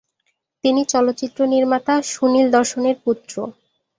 তিনি চলচ্চিত্র নির্মাতা সুনীল দর্শনের পুত্র।